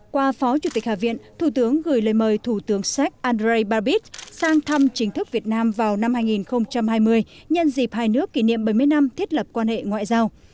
qua phó chủ tịch hạ viện thủ tướng gửi lời mời thủ tướng séc andrei babis sang thăm chính thức việt nam vào năm hai nghìn hai mươi nhân dịp hai nước kỷ niệm bảy mươi năm thiết lập quan hệ ngoại giao